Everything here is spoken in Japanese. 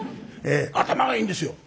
頭はいいんですよ！